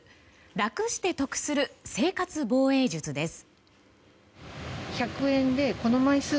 楽して得する生活防衛術です。